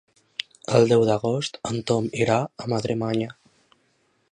El deu d'agost en Tom irà a Madremanya.